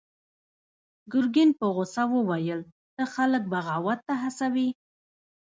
ګرګين په غوسه وويل: ته خلک بغاوت ته هڅوې!